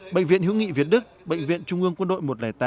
bệnh viện hữu nghị việt đức bệnh viện trung ương quân đội một trăm linh tám